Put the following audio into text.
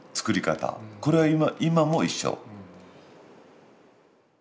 これは今も一緒。